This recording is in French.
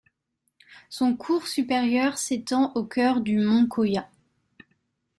Son cours supérieur s'étend au cœur du mont Kōya.